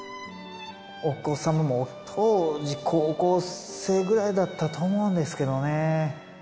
お子様も当時、高校生ぐらいだったと思うんですけどね。